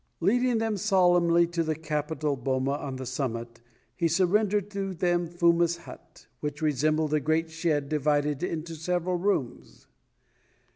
Leading them solemnly to the capital boma on the summit he surrendered to them Fumba's hut, which resembled a great shed divided into several rooms.